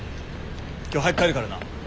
今日早く帰るからな。